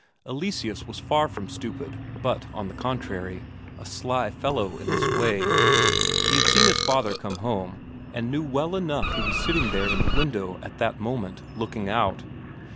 Eleseus was far from stupid, but on the contrary, a sly fellow in his way. He had seen his father come home, and knew well enough he was sitting there in the window at that moment, looking out.